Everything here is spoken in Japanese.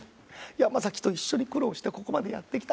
山崎と一緒に苦労してここまでやってきた。